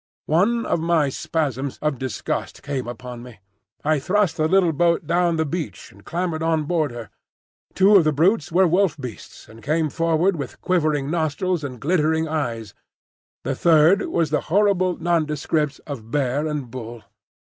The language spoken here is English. One of my spasms of disgust came upon me. I thrust the little boat down the beach and clambered on board her. Two of the brutes were Wolf beasts, and came forward with quivering nostrils and glittering eyes; the third was the horrible nondescript of bear and bull.